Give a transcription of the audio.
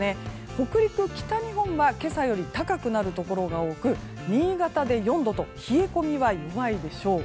北陸、北日本は今朝よりも高くなるところが多く新潟で４度と冷え込みは弱いでしょう。